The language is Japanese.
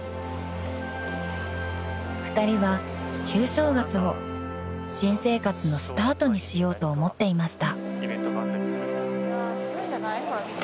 ［２人は旧正月を新生活のスタートにしようと思っていました］